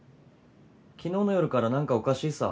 昨日の夜から何かおかしいさ。